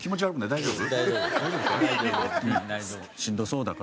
大丈夫？